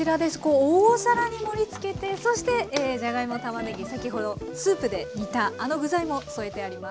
大皿に盛りつけてそしてじゃがいもたまねぎ先ほどスープで煮たあの具材も添えてあります。